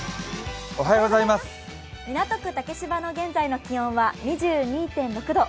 港区竹芝の現在の気温は２２．６度。